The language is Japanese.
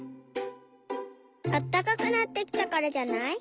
あったかくなってきたからじゃない？